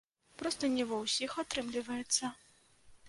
Проста не ва ўсіх атрымліваецца.